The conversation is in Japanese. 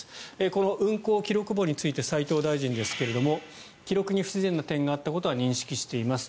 この運航記録簿について斉藤大臣ですが記録に不自然な点があったことは認識しています。